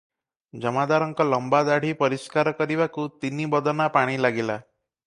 ଜମାଦାରଙ୍କ ଲମ୍ବାଦାଢ଼ି ପରିଷ୍କାର କରିବାକୁ ତିନି ବଦନା ପାଣି ଲାଗିଲା ।